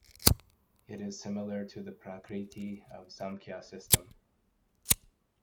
It is similar to the Prakriti of Samkhya system.